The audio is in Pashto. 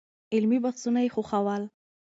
علمي بحثونه يې خوښول.